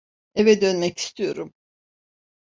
Eve dönmek istiyorum.